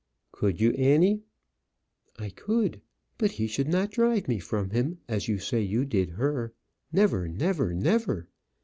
"Could you, Annie?" "I could. But he should not drive me from him, as you say you did her; never never never.